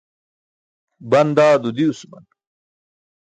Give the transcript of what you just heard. Ban dado diwsuman.